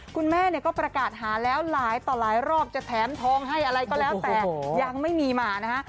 คุณแม่เนี่ยก็ประกาศหาแล้วหลายต่อหลายรอบจะแถมทองให้อะไรก็แล้วแต่ยังไม่มีมานะฮะ